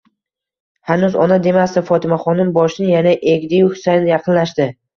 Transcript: Hanuz ona demasdi. Fotimaxonim boshini yana egdiyu Husayin yaqinlashdi.